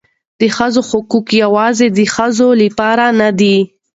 د ښځو حقوق یوازې د ښځو لپاره نه دي.